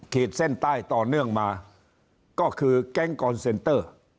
ขีดเส้นใต้ต่อเนื่องมาก็คือแก๊งกอนเซนเตอร์